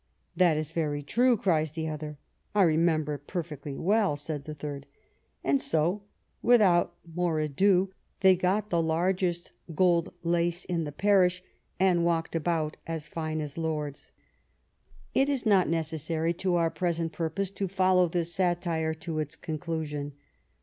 * That is very true,' cries the other. ^ I remember it perfectly well,' said the third. And so, without more ado, they got the largest gold lace in the parish, and walked about as fine as lords." It is not necessary to our present purpose to follow this satire to its conclusion.